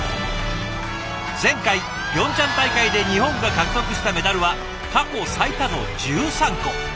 前回ピョンチャン大会で日本が獲得したメダルは過去最多の１３個。